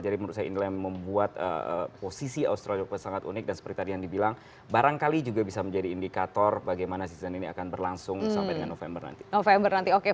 jadi menurut saya ini adalah yang membuat posisi australian open sangat unik dan seperti tadi yang dibilang barangkali juga bisa menjadi indikator bagaimana season ini akan berlangsung sampai dengan november nanti